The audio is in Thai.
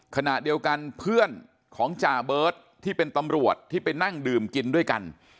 ขณะเดียวกันเพื่อนของจ่าเบิร์ตที่เป็นตำรวจที่ไปนั่งดื่มกินด้วยกัน